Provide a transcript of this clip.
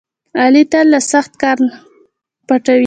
علي تل له سخت کار نه کونه پټوي.